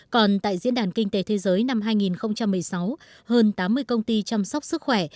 còn tại diễn đàn kinh tế thế giới năm hai nghìn một mươi sáu hơn tám mươi công ty chăm sóc sức khỏe